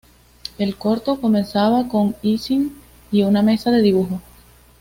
El corto, comenzaba con Ising y una mesa de dibujo.